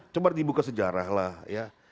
coba dibuka sejarah lah ya